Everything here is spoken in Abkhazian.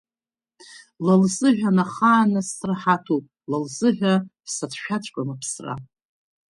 Ла лзыҳәан ахааназ сраҳаҭуп, ла лзыҳәан сацәшәаҵәҟьом аԥсра…